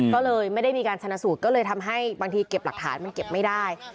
ก็เลยไม่ได้มีการชนะสูตรก็เลยทำให้บางทีเก็บหลักฐานมันเก็บไม่ได้